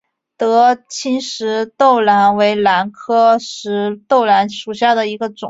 德钦石豆兰为兰科石豆兰属下的一个种。